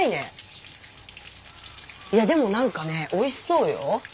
いやでもなんかねおいしそうよ。